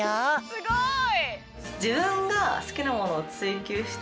すごい！